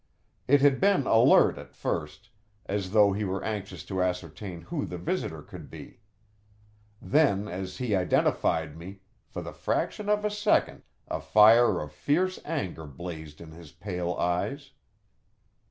It had been alert at first, as though he were anxious to ascertain who the visitor could be; then, as he identified me, for the fraction of a second a fire of fierce anger blazed in his pale eyes.